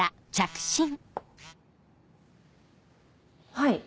はい。